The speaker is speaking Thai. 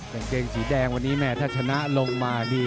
กางเกงสีแดงวันนี้แม่ถ้าชนะลงมานี่